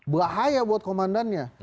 bahaya buat komandannya